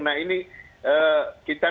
nah ini kita minta kepada pemerintah